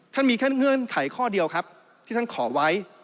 มีแค่เงื่อนไขข้อเดียวครับที่ท่านขอไว้